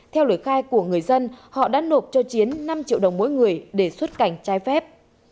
theo lời khai của người dân họ đã nộp cho chiến năm triệu đồng mỗi người để xuất cảnh trái phép